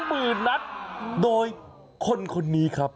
หมื่นนัดโดยคนคนนี้ครับ